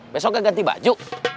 besoknya ganti baju